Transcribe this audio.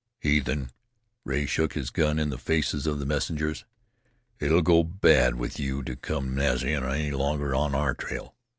"Heathen!" Rea shook his gun in the faces of the messengers. "It'll go bad with you to come Nazain' any longer on our trail.